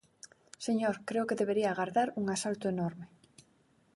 Señor, creo que debería agardar un asalto enorme.